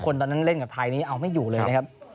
ตอนนั้นเล่นกับไทยนี้เอาไม่อยู่เลยนะครับ